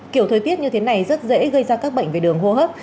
kiểu thời tiết như thế này rất dễ gây ra các bệnh về đường hô hấp